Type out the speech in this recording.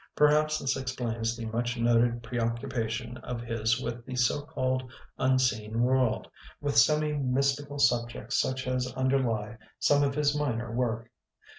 Perhaps this explains the much noted preoccu pation of his with the so called unseen world, with semi mystical subjects such as underlie some of his minor work.